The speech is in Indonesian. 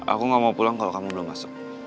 aku gak mau pulang kalau kamu belum masuk